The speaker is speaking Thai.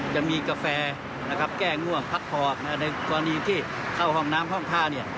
จะมีกาแฟนะครับแก้ง่วงพัดพอบในกรณีที่เข้าห้องน้ำห้องท่าเนี้ย